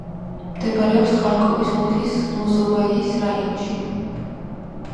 მდებარეობს ხარკოვის ოლქის ლოზოვაიის რაიონში.